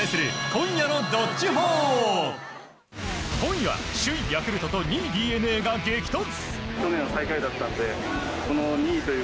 今夜は首位、ヤクルトと２位、ＤｅＮＡが激突。